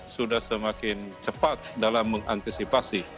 sudah semakin cepat dalam mengantisipasi